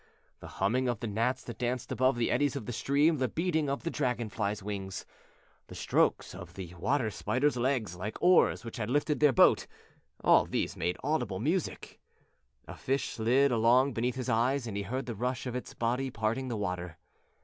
The humming of the gnats that danced above the eddies of the stream, the beating of the dragon flies' wings, the strokes of the water spiders' legs, like oars which had lifted their boat all these made audible music. A fish slid along beneath his eyes and he heard the rush of its body parting the water.